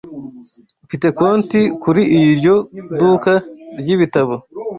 Mfite konti kuri iryo duka ryibitabo.